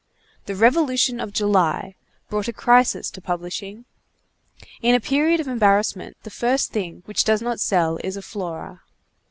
The Revolution of July brought a crisis to publishing. In a period of embarrassment, the first thing which does not sell is a _Flora.